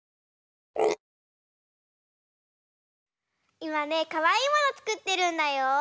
いまねかわいいものつくってるんだよ。